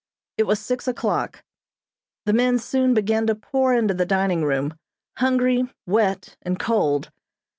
It was six o'clock. The men soon began to pour into the dining room hungry, wet, and cold.